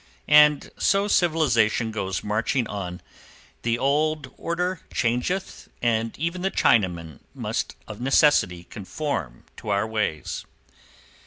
And so civilization goes marching on, the old order changeth, and even the Chinaman must of necessity conform to our ways.